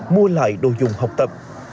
mua lại đồ dùng học tập